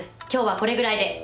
今日はこれぐらいで。